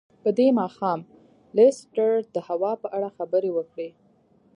په دې ماښام لیسټرډ د هوا په اړه خبرې وکړې.